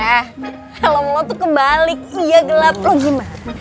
eh helm lo tuh kebalik iya gelap lo gimana sih